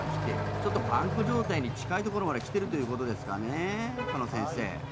ちょっとパンク状態に近いところまで来ているということですかね鹿野先生。